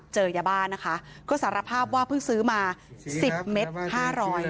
เจอยาบ้านะคะก็สารภาพว่าเพิ่งซื้อมาสิบเม็ดห้าร้อย